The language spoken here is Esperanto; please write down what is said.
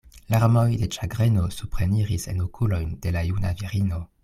Larmoj de ĉagreno supreniris en okulojn de la juna virino.